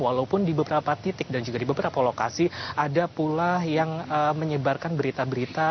walaupun di beberapa titik dan juga di beberapa lokasi ada pula yang menyebarkan berita berita